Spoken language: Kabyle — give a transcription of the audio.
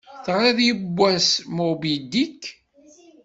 Teɣṛiḍ yewwas "Moby Dick"?